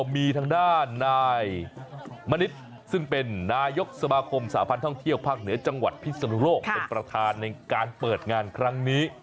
มีทางด้านนายมณิษฐ์ซึ่งเป็นนายกสมาคมสาพันธ์ท่องเที่ยวภาคเหนือจังหวัดพิศนุโลกเป็นประธานในการเปิดงานครั้งนี้